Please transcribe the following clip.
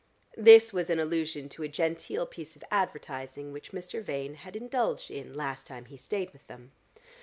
This was an allusion to a genteel piece of advertising which Mr. Vane had indulged in last time he stayed with them.